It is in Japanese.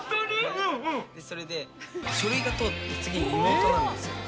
それで、書類が通って次、リモートなんですよ。